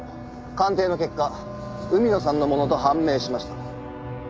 鑑定の結果海野さんのものと判明しました。